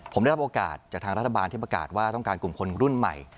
ผมได้รับโอกาสจากทางรัฐบาลที่ประกาศว่าต้องการกลุ่มคนรุ่นใหม่